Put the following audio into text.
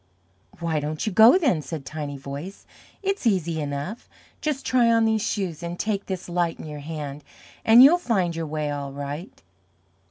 "Why don't you go, then?" said Tiny Voice. "It's easy enough. Just try on these Shoes, and take this Light in your hand, and you'll find your way all right."